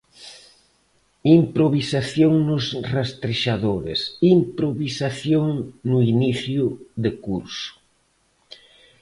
Improvisación nos rastrexadores, improvisación no inicio de curso.